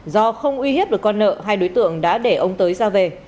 do không uy hiếp được con nợ hai đối tượng đã để ông tới ra về